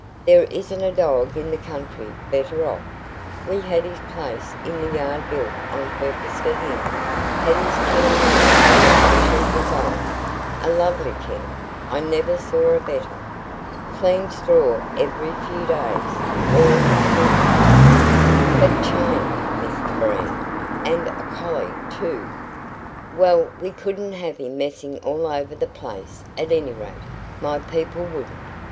"There isn't a dog in the country better off. We had his place in the yard built on purpose for him; had his kennel made to a special design " "A lovely kennel! I never saw a better." "Clean straw every few days; all his food cooked " "But CHAINED, Mr Breen. And a collie, too!" "Well, we couldn't have him messing all over the place; at any rate, my people wouldn't.